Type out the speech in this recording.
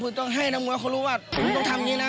คุณต้องให้นักมวยเขารู้ว่าต้องทำอย่างนี้นะ